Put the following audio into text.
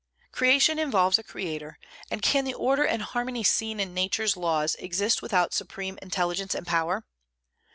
Creation involves a creator; and can the order and harmony seen in Nature's laws exist without Supreme intelligence and power?